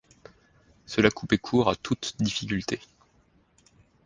Cela coupait court à toute difficulté.